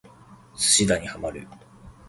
寿司打にハマる